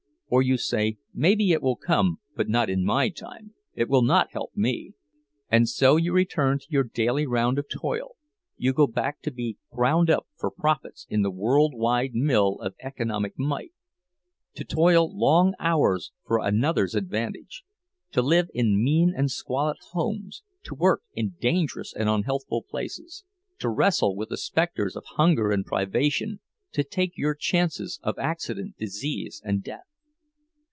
Or you say, 'Maybe it will come, but not in my time—it will not help me.' And so you return to your daily round of toil, you go back to be ground up for profits in the world wide mill of economic might! To toil long hours for another's advantage; to live in mean and squalid homes, to work in dangerous and unhealthful places; to wrestle with the specters of hunger and privation, to take your chances of accident, disease, and death.